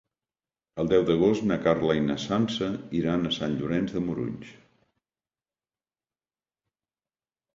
El deu d'agost na Carla i na Sança iran a Sant Llorenç de Morunys.